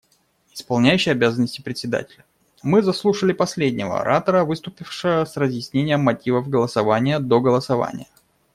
Исполняющий обязанности Председателя: Мы заслушали последнего оратора, выступившего с разъяснением мотивов голосования до голосования.